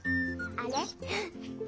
あれ？